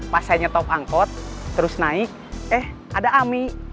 pas saya nyetop angkot terus naik eh ada ami